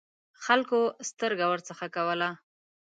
خلکو سترګه ورڅخه کوله.